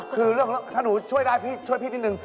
คือเรื่องของถ้าหนูช่วยได้พี่ช่วยพี่นิดนึง